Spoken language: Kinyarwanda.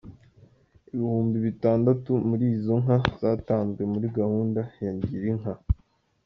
Ibihumbi bitandatu muri izo nka, zatanzwe muri gahunda ya Girinka.